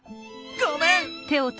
ごめん！